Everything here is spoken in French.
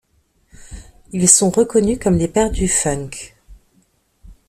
Ils sont reconnus comme les pères du funk.